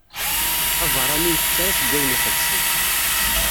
Abeṛṛani ur itett ara seg wayen iqedsen.